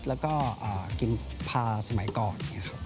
แล้วก็กินพาสมัยก่อน